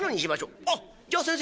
あっじゃあ先生